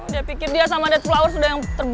dia pikir dia sama dad flower sudah jadi teman